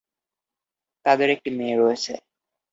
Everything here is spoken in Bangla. তাদের একটি মেয়ে রয়েছে।